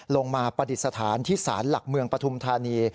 มาปฏิสถานที่ศาลหลักเมืองปฐุมธานี